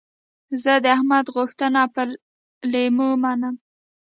زه د احمد غوښتنه پر لېمو منم.